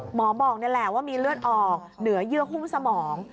หมอบอกนี่แหละว่ามีเลือดออกเหนือเยื่อหุ้มสมอง